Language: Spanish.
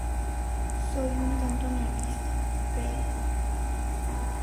Soy un tanto anarquista, creo.